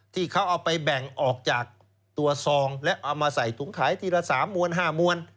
ที่เขาเอาไปแบ่งออกจากตัวซองและเอามาใส่ถุงขายทีละ๓มวล๕มวล